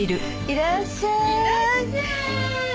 いらっしゃーい。